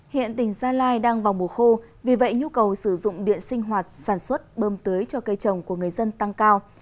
hiện tỉnh gia lai đang vào mùa khô vì vậy nhu cầu sử dụng điện sinh hoạt sản xuất bơm tưới cho cây trồng của người dân tăng cao